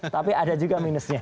tapi ada juga minusnya